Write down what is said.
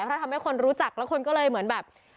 เพราะทำให้คนรู้จักแล้วคนก็เลยเหมือนแบบ